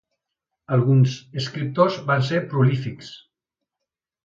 Alguns escriptors van ser prolífics.